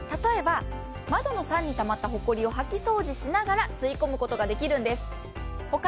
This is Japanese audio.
例えば窓のさんにたまったほこりを掃き掃除しながら吸い込むことができるんです。